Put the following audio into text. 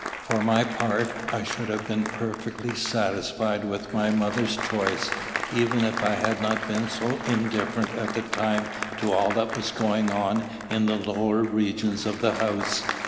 For my part, I should have been perfectly satisfied with my mother's choice, even if I had not been so indifferent at the time to all that was going on in the lower regions of the house.